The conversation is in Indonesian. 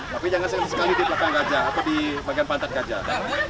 tapi jangan sekali di belakang gajah atau di bagian pantang gajah